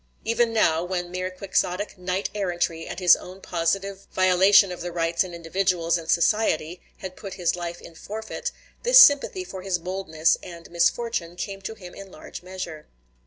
Even now, when mere Quixotic knight errantry and his own positive violation of the rights of individuals and society had put his life in forfeit, this sympathy for his boldness and misfortune came to him in large measure.